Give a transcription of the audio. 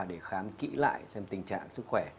để khám kỹ lại xem tình trạng sức khỏe